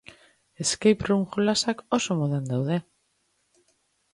Escape-room jolasak oso modan daude.